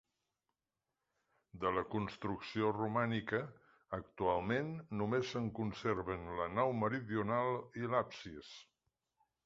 De la construcció romànica, actualment només se'n conserven la nau meridional i l'absis.